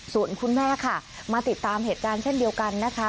ส่วนคุณแม่ค่ะมาติดตามเหตุการณ์เช่นเดียวกันนะคะ